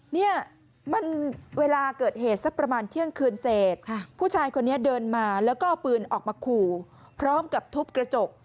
เนี่ยมันเวลาเกิดเหตุสักประมาณเที่ยงคืนเศษผู้ชายคนนี้เดินมาแล้วก็เอาปืนออกมาขู่พร้อมกับทุบกระจก